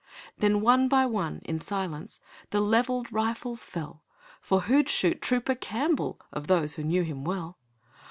Then one by one in silence The levelled rifles fell, For who'd shoot Trooper Campbell Of those who knew him well?